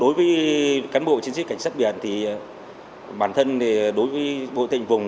đối với cán bộ chiến sĩ cảnh sát biển thì bản thân đối với bộ tình vùng